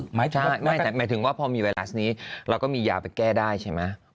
หมายถึงว่าพอมีไวรัสนี้เราก็มียาไปแก้ได้ใช่ไหม